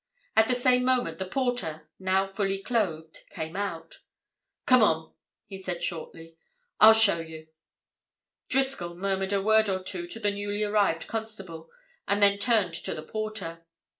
At the same moment the porter, now fully clothed, came out. "Come on!" he said shortly. "I'll show you." Driscoll murmured a word or two to the newly arrived constable, and then turned to the porter.